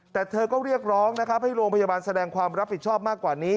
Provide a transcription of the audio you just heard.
แต่เธอก็เรียกร้องนะครับให้โรงพยาบาลแสดงความรับผิดชอบมากกว่านี้